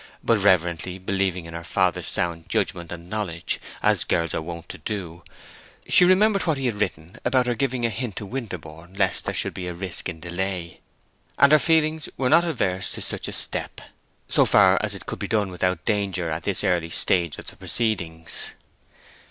But reverently believing in her father's sound judgment and knowledge, as good girls are wont to do, she remembered what he had written about her giving a hint to Winterborne lest there should be risk in delay, and her feelings were not averse to such a step, so far as it could be done without danger at this early stage of the proceedings.